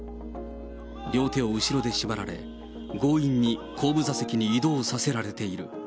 両手を後ろで縛られ、強引に後部座席に移動させられている。